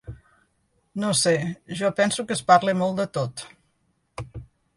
No sé, jo penso que es parla molt de tot.